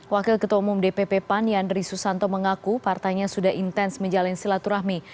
wakil ketua umum dpp pan yandri susanto mengaku partainya sudah intens menjalin silaturahmi